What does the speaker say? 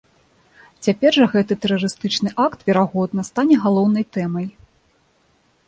Цяпер жа гэты тэрарыстычны акт, верагодна, стане галоўнай тэмай.